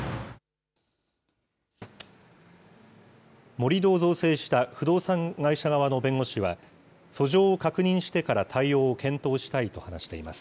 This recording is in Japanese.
盛り土を造成した不動産会社側の弁護士は、訴状を確認してから対応を検討したいと話しています。